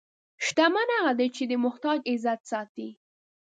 شتمن هغه دی چې د محتاج عزت ساتي.